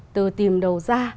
từ tìm đầu ra